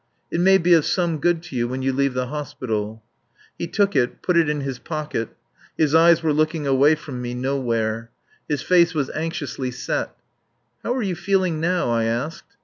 "It may be of some good to you when you leave the hospital." He took it, put it in his pocket. His eyes were looking away from me nowhere. His face was anxiously set. "How are you feeling now?" I asked.